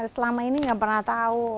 selama ini nggak pernah tahu